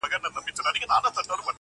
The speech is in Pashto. مینه وړي یوه مقام لره هر دواړه,